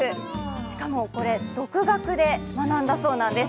しかもこれ、独学で学んだそうなんです。